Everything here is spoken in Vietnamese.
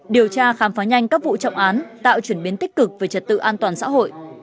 điều tra khám phá nhanh các vụ trọng án tạo chuyển biến tích cực về trật tự an toàn xã hội